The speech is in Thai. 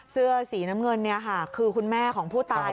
เสื้อสีน้ำเงินเนี่ยค่ะคือคุณแม่ของผู้ตาย